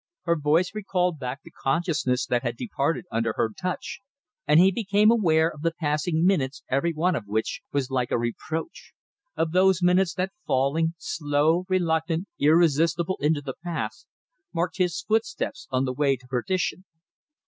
Her voice recalled back the consciousness that had departed under her touch, and he became aware of the passing minutes every one of which was like a reproach; of those minutes that falling, slow, reluctant, irresistible into the past, marked his footsteps on the way to perdition.